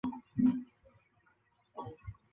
没有一个提出的候选人称为结婚对象。